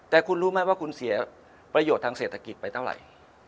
แต่คุณรู้ไหมว่าคุณเสียประโยชน์ทางเศรษฐกิจไปเท่าไหร่